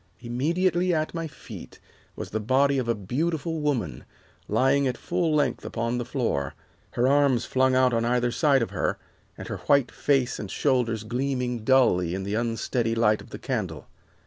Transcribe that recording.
Immediately at my feet was the body of a beautiful woman, lying at full length upon the floor, her arms flung out on either side of her, and her white face and shoulders gleaming dully in the unsteady light of the candle.